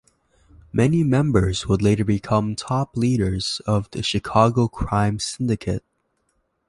Many members would later become top leaders of the Chicago crime syndicate.